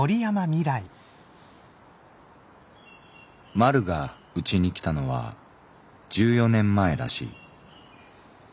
「まるがうちに来たのは十四年前らしい。